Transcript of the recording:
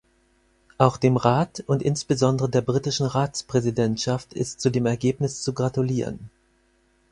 Auch dem Rat und insbesondere der britischen Ratspräsidentschaft ist zu dem Ergebnis zu gratulieren.